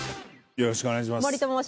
よろしくお願いします。